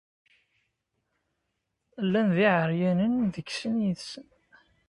Llan d iɛeryanen deg sin yid-sen.